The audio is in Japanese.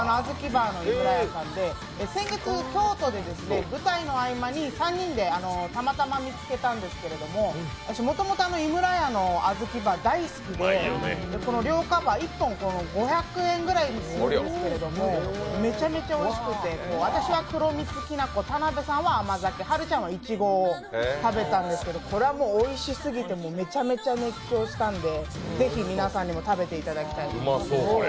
先月、京都で舞台の合間に３人でたまたま見つけたんですけれども私、もともと井村屋のあずきバー大好きで、この涼菓バー１本５００円ぐらいするんですけど、めちゃめちゃおいしくて、私は黒蜜きなこ、田辺さんは甘酒、はるちゃんは、いちごを食べたんですけど、これはもうおいしすぎてめちゃくちゃ熱狂したんでぜひ皆さんにも食べていただきたいと思います。